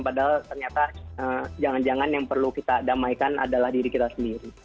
padahal ternyata jangan jangan yang perlu kita damaikan adalah diri kita sendiri